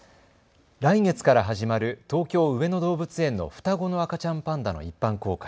来月から始まる東京上野動物園の双子の赤ちゃんパンダの一般公開。